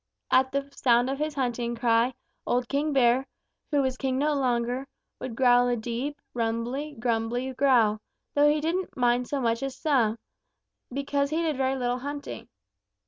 At the sound of his hunting cry, old King Bear, who was king no longer, would growl a deep, rumbly grumbly growl, though he didn't mind so much as some, because he did very little hunting.